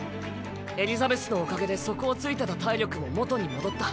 エリザベスのおかげで底をついてた体力も元に戻った。